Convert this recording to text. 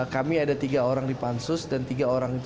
kami ada tiga orang di pansus dan tiga orang